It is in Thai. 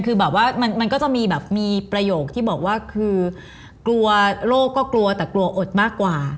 คือแบบว่ามันก็จะมีแบบมีประโยคที่บอกว่าคือกลัวโรคก็กลัวแต่กลัวอดมากกว่า